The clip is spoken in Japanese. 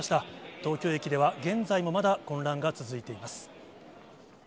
東京駅では現在もまだ混乱が続いています。